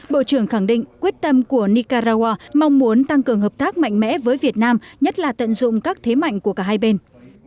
bộ trưởng khẳng định quyết tâm của nicaragua mong muốn tăng cường hợp tác mạnh mẽ với việt nam nhất là tận dụng các thế mạnh của cả hai bên